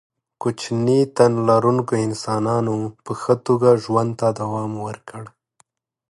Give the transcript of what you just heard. کوچني تن لرونکو انسانانو په ښه توګه ژوند ته دوام ورکړ.